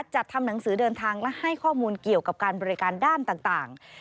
จัดทำหนังสือเดินทางและให้ข้อมูลเกี่ยวกับการบริการด้านต่าง